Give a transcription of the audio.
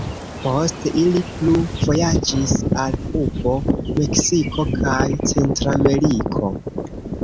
Poste ili plu vojaĝis al Kubo, Meksiko kaj Centrameriko.